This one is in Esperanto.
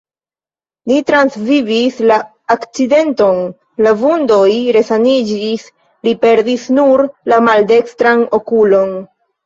Li transvivis la akcidenton, la vundoj resaniĝis, li perdis nur la maldekstran okulon.